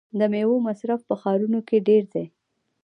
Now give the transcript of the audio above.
د میوو مصرف په ښارونو کې ډیر دی.